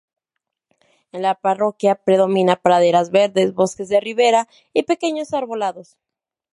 En la parroquia, predomina praderas verdes, bosques de ribera y pequeños arbolados.